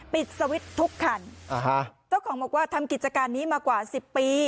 ปิดสวิตช์ทุกคันอ่าฮะเจ้าของบอกว่าทำกิจการนี้มากว่าสิบปี